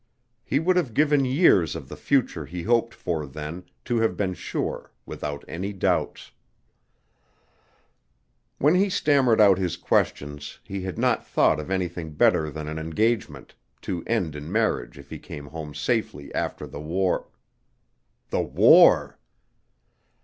He would have given years of the future he hoped for then, to have been sure, without any doubts. When he stammered out his questions he had not thought of anything better than an engagement, to end in marriage if he came home safely after the war.... The war!...